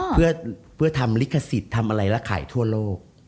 เพื่อทำลิขสิทธิ์ทำอะไรและขายทั่วโลก